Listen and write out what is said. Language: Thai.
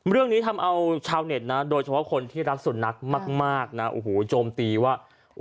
เรื่องนี้ทำเอาชาวเน็ตโดยเฉพาะคนที่รักสุนัขมากจมตีว่า